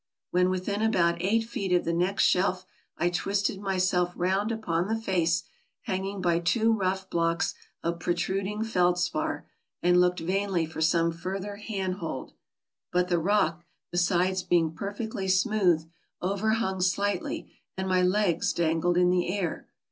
When within about eight feet of the next shelf I twisted myself round upon the face, hanging by two rough blocks of protruding feldspar, and looked vainly for some further hand hold ; but the rock, besides being perfectly smooth, overhung slightly, and my legs dangled in the air.